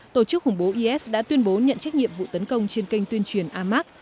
tổ chức khủng bố is đã tuyên bố nhận trách nhiệm vụ tấn công trên kênh tuyên truyền amac